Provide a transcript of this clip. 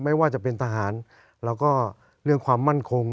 ไม่ว่าจะเป็นทหารแล้วก็เรื่องความมั่นคง